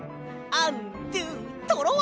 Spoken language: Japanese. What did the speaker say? アンドゥトロワ！